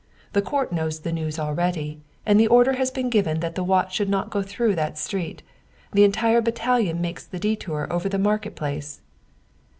The court knows the news already, and the order has been given that the watch should not go through that street. The entire battalion makes the detour over the market place."